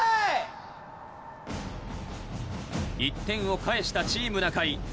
１点を返したチーム中居。